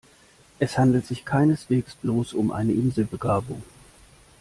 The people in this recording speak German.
Es handelt sich keineswegs bloß um eine Inselbegabung.